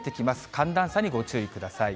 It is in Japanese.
寒暖差にご注意ください。